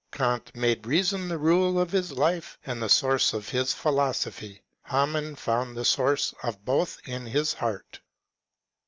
E^nt made reason the rule of his life and the source of his philosophy; Hamann found the source of both in his heart.